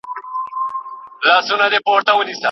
بهرنۍ تګلاره د نړیوالو ستونزو حل یوازې نه سي کولای.